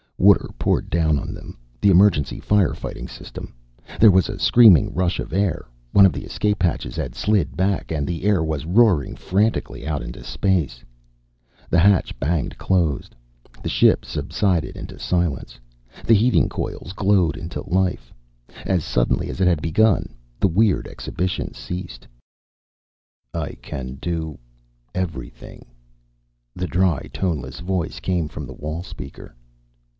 Water poured down on them, the emergency fire fighting system. There was a screaming rush of air. One of the escape hatches had slid back, and the air was roaring frantically out into space. The hatch banged closed. The ship subsided into silence. The heating coils glowed into life. As suddenly as it had begun the weird exhibition ceased. "I can do everything," the dry, toneless voice came from the wall speaker.